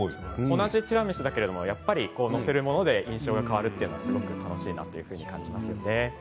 同じティラミスですが載せるもので印象が変わるというのが楽しいなという感じがしますね。